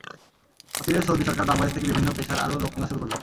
অচিরেই সৌদি সরকার বাংলাদেশ থেকে বিভিন্ন পেশার আরও লোক নেওয়া শুরু করবে।